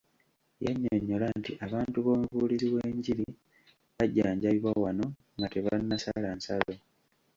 Yannyonnyola nti abantu b'omubuulizi w'enjiri bajjanjabibwa wano nga tebannasala nsalo.